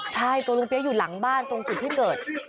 ใช่ตัวลุงเปี๊ยกอยู่หลังบ้านตรงจุดที่เกิด